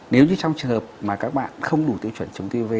nếu như trong trường hợp mà các bạn không đủ tiêu chuẩn chống tiêu vv